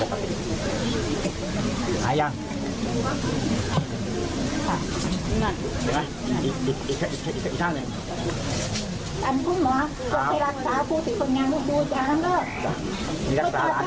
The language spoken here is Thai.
นี่มองไว้ดูเลย